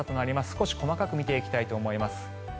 少し細かく見ていきたいと思います。